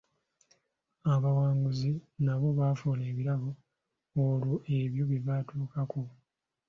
Abawanguzi nabo baafuna ebirabo olwa ebyo bye baatuukako.